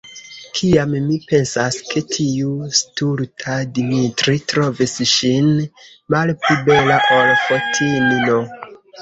Kiam mi pensas, ke tiu stulta Dimitri trovis ŝin malpli bela, ol Fotini'n!